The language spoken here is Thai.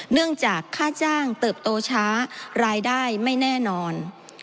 เนื่องจากค่าจ้างเติบโตช้ารายได้ไม่แน่นอน